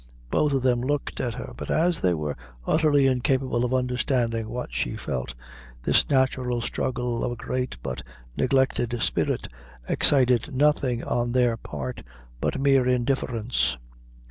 Both of them looked at her; but as they were utterly incapable of understanding what she felt, this natural struggle of a great but neglected spirit excited nothing on their part but mere indifference.